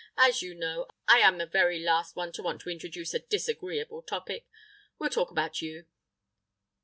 As you know, I am the very last one to want to introduce a disagreeable topic. We'll talk about you.